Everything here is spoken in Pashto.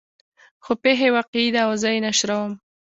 خو پېښه يې واقعي ده او زه یې نشروم.